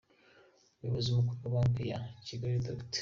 Umuyobozi mukuru wa Banki ya Kigali, Dr.